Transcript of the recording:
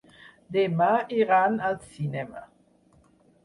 Demà iran al cinema.